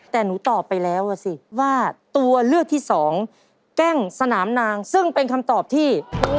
แต่หนูตอบไปแล้วอ่ะสิว่าตัวเลือกที่สองแก้งสนามนางซึ่งเป็นคำตอบที่